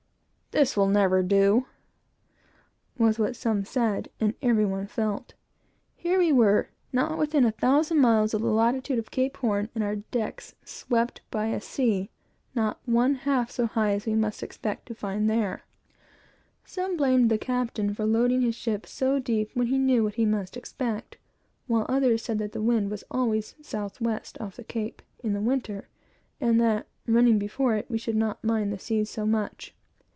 "This will never do!" was what some said, and every one felt. Here we were, not yet within a thousand miles of the latitude of Cape Horn, and our decks swept by a sea not one half so high as we must expect to find there. Some blamed the captain for loading his ship so deep, when he knew what he must expect; while others said that the wind was always southwest, off the Cape, in the winter; and that, running before it, we should not mind the seas so much.